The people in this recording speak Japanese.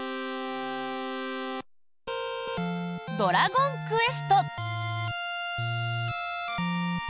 「ドラゴンクエスト」。